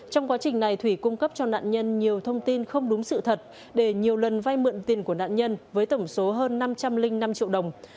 trong quá trình này thủy cung cấp cho nạn nhân nhiều thông tin không đúng sự thật để nhiều lần vay mượn tiền của nạn nhân với tổng số hơn năm trăm linh năm triệu đồng